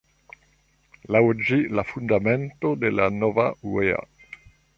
Laŭ ĝi, la fundamento de la nova uea.